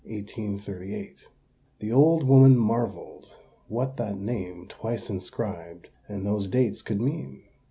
_ The old woman marvelled what that name, twice inscribed, and those dates could mean.